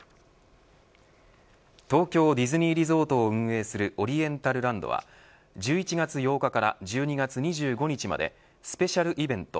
東京ディズニーリゾートを運営するオリエンタルランドは１１月８日から１２月２５日までスペシャルイベント